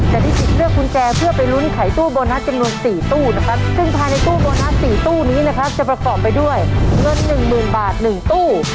จะได้สิทธิ์เลือกกุญแจเพื่อไปลุ้นไขตู้โบนัสจำนวน๔ตู้นะครับซึ่งภายในตู้โบนัส๔ตู้นี้นะครับจะประกอบไปด้วยเงินหนึ่งหมื่นบาท๑ตู้